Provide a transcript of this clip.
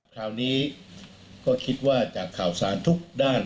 คราวนี้ก็คิดว่าจากข่าวสารทุกด้าน